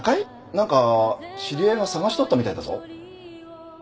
何か知り合いが捜しとったみたいだぞ。